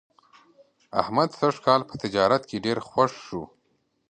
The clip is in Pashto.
احمد سږ کال په تجارت کې ډېر خوږ شو.